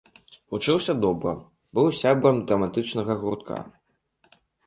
Вучыўся добра, быў сябрам драматычнага гуртка.